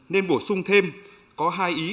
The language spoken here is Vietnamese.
nên bổ sung thêm có hai ý